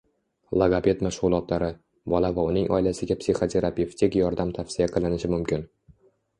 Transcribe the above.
Logoped mashg‘ulotlari, bola va uning oilasiga psixoterapevtik yordam tavsiya qilinishi mumkin.